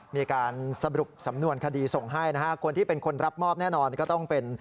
มีการสรุปสำนวนคดีส่งให้นะฮะคนที่เป็นคนรับมอบแน่นอนก็ต้องเป็น